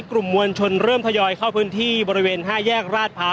กลุ่มมวลชนเริ่มทยอยเข้าพื้นที่บริเวณ๕แยกราชพร้าว